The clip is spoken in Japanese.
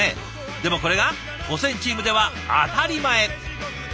でもこれが保線チームでは当たり前。